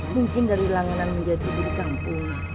mungkin dari langenan menjadi diri kampung